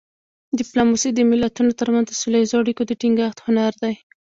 ډیپلوماسي د ملتونو ترمنځ د سوله اییزو اړیکو د ټینګښت هنر دی